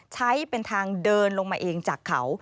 ใช้เป็นทางเดินลงมาเองจากเขา